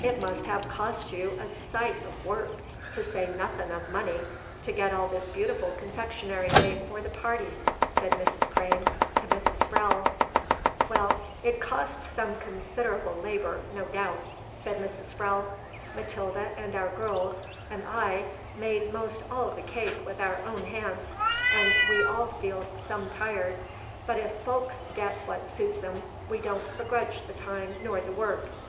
"It must have cost you a sight of work, to say nothin' of money, to get all this beautiful confectionery made for the party," said Mrs. Crane to Mrs. Sprowle. "Well, it cost some consid'able labor, no doubt," said Mrs. Sprowle. "Matilda and our girls and I made 'most all the cake with our own hands, and we all feel some tired; but if folks get what suits 'em, we don't begrudge the time nor the work.